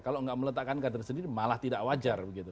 kalau enggak meletakkan kader sendiri malah tidak wajar